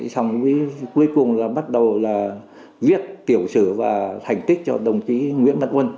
xong cuối cùng bắt đầu viết tiểu sử và thành tích cho đồng chí nguyễn văn quân